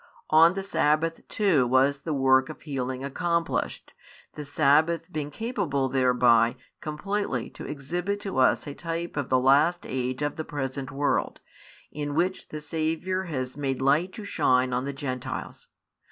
On the sabbath too was the work of healing accomplished, the sabbath being capable thereby completely to exhibit to us a type of the last age of the present world, in which the Saviour has made light to shine on the Gentiles.